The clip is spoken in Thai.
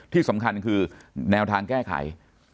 ที่สำคัญคือแนวทางแก้ไข